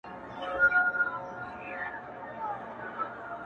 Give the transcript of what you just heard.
ټول جهان له ما ودان دی نه ورکېږم-